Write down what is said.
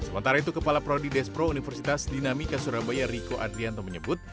sementara itu kepala prodides pro universitas dinamika surabaya riko adrianto menyebut